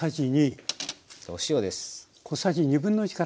お塩です。